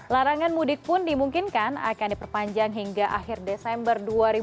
larangan mudik pun dimungkinkan akan diperpanjang hingga akhir desember dua ribu dua puluh